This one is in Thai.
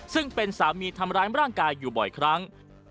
ซึ่งเป็นสามีทำร้ายร่างกายอยู่บ่อยครั้ง